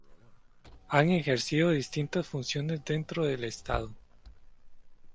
Ha ejercido distintas funciones dentro del Estado.